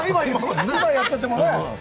今、やってもらってもね。